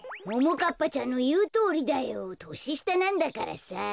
ももかっぱちゃんのいうとおりだよ。とししたなんだからさ。